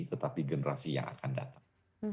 tetapi generasi yang akan datang